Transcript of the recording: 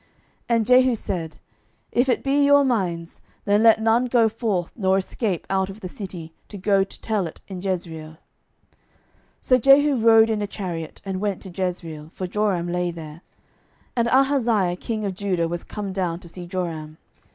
And Jehu said, If it be your minds, then let none go forth nor escape out of the city to go to tell it in Jezreel. 12:009:016 So Jehu rode in a chariot, and went to Jezreel; for Joram lay there. And Ahaziah king of Judah was come down to see Joram.